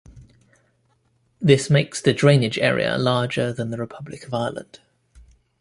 This makes the drainage area larger than the Republic of Ireland.